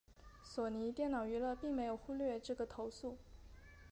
索尼电脑娱乐并没有忽略这个投诉。